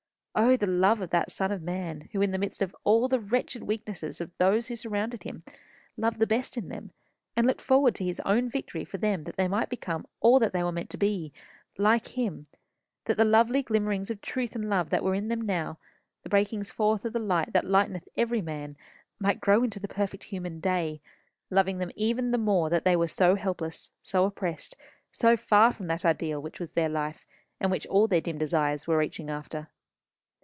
O, the love of that Son of Man, who in the midst of all the wretched weaknesses of those who surrounded him, loved the best in them, and looked forward to his own victory for them that they might become all that they were meant to be like him; that the lovely glimmerings of truth and love that were in them now the breakings forth of the light that lighteneth every man might grow into the perfect human day; loving them even the more that they were so helpless, so oppressed, so far from that ideal which was their life, and which all their dim desires were reaching after!"